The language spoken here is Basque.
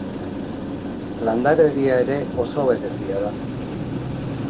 Landaredia ere oso berezia da.